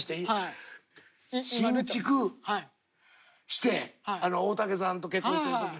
新築して大竹さんと結婚してる時に。